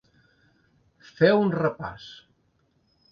Fer un repàs.